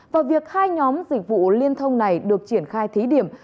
và việc hai nhóm dịch vụ liên thông này được triển khai thí điểm